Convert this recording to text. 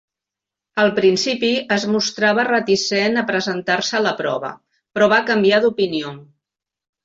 Al principi, es mostrava reticent a presentar-se a la prova, però va canviar d'opinió.